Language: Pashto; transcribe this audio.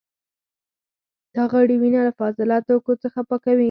دا غړي وینه له فاضله توکو څخه پاکوي.